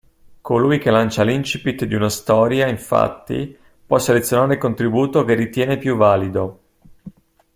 Colui che lancia l'incipit di una storia, infatti, può selezionare il contributo che ritiene più valido.